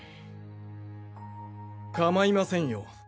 構いませんよ。